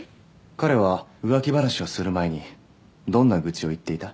彼は浮気話をする前にどんな愚痴を言っていた？